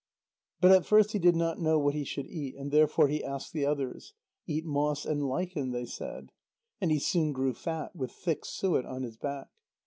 But at first he did not know what he should eat, and therefore he asked the others. "Eat moss and lichen," they said. And he soon grew fat, with thick suet on his back.